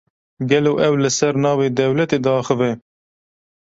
Gelo ew, li ser navê dewletê diaxife?